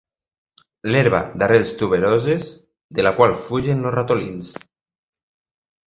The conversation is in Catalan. L'herba d'arrels tuberoses de la qual fugen els ratolins.